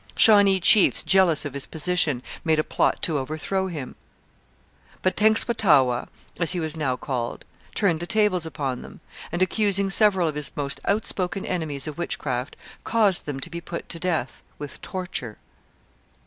Shawnee chiefs, jealous of his position, made a plot to overthrow him. But Tenskwatawa, as he was now called, turned the tables upon them, and, accusing several of his most outspoken enemies of witchcraft, caused them to be put to death, with torture.